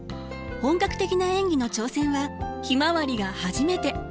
本格的な演技の挑戦は「ひまわり」が初めて。